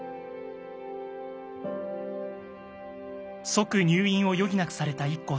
即入院を余儀なくされたＩＫＫＯさん。